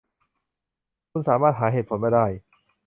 คุณสามารถหาเหตุผลมาได้